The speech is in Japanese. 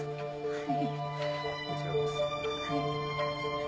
はい。